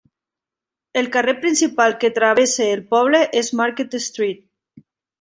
El carrer principal que travessa el poble és Market Street.